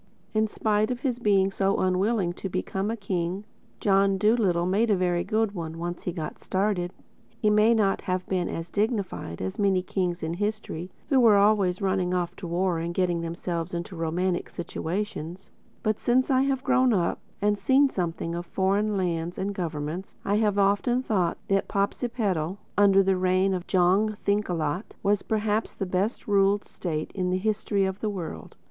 In spite of his being so unwilling to become a king, John Dolittle made a very good one—once he got started. He may not have been as dignified as many kings in history who were always running off to war and getting themselves into romantic situations; but since I have grown up and seen something of foreign lands and governments I have often thought that Popsipetel under the reign of Jong Thinkalot was perhaps the best ruled state in the history of the world.